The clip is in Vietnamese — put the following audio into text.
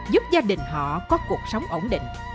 giúp gia đình họ có cuộc sống ổn định